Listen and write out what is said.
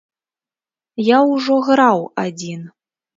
Я ўжо граў адзін.